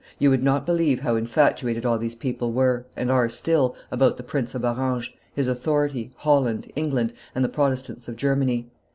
You would not believe how infatuated all these people were, and are still, about the Prince of Orange, his authority, Holland, England, and the Protestants of Germany.